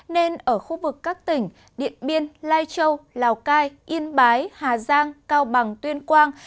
nên ở khu vực các tỉnh điện biên lai châu lào cai yên bái hà giang cao bằng tuyên quang